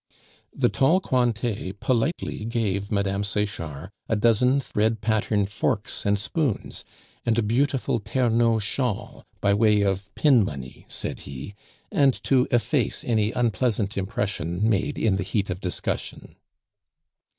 The tall Cointet politely gave Mme. Sechard a dozen thread pattern forks and spoons and a beautiful Ternaux shawl, by way of pin money, said he, and to efface any unpleasant impression made in the heat of discussion.